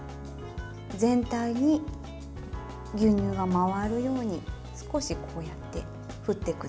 全体に牛乳が回るように少しこうやって振ってください。